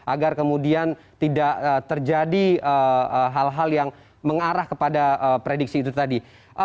agar kemudian tidak terjadi hal hal yang mengarah kepada prediksi itu tadi